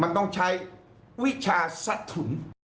มันต้องใช้วิชาสะถุน